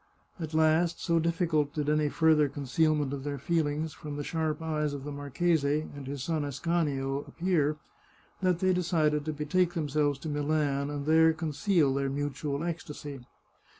At last, so difficult did any further concealment of their feelings from the sharp eyes of the marchese and his son Ascanio appear, that they decided to betake themselves to Milan, and there conceal their mutual ecstasy.